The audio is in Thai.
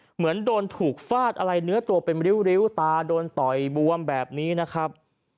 เหมือนโดนถูกฟาดอะไรเนื้อตัวเป็นริ้วตาโดนต่อยบวมแบบนี้นะครับ